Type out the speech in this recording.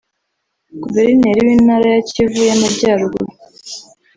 Guverineri w’Intara ya Kivu y’Amajyaruguru